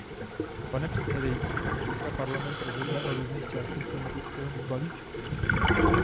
Pane předsedající, zítra Parlament rozhodne o různých částech klimatického balíčku.